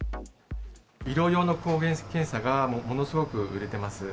医療用の抗原検査がものすごく売れてます。